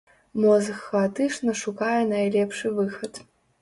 Мозг хаатычна шукае найлепшы выхад.